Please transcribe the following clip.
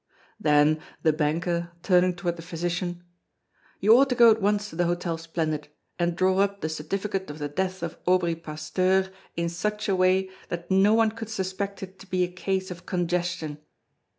Then, the banker, turning toward the physician: "You ought to go at once to the Hotel Splendid, and draw up the certificate of the death of Aubry Pasteur in such a way that no one could suspect it to be a case of congestion."